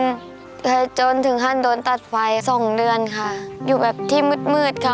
ใช้จนถึงห้านโดรนตัดไฟสองเดือนค่ะอยู่แบบที่มืดค่ะ